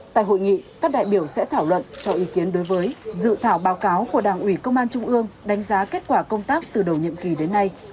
tại hội nghị các đại biểu sẽ thảo luận cho ý kiến đối với dự thảo báo cáo của đảng ủy công an trung ương đánh giá kết quả công tác từ đầu nhiệm kỳ đến nay